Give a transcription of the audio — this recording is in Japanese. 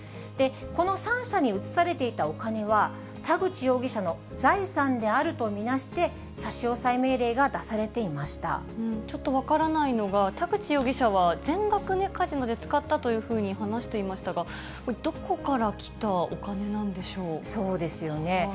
この３社に移されていたお金は、田口容疑者の財産であると見なして、差し押さえ命令が出されていちょっと分からないのが、田口容疑者は、全額、カジノで使ったというふうに話していましたが、そうですよね。